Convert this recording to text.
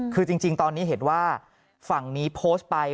คือจริงตอนนี้เห็นว่าฝั่งนี้โพสต์ไป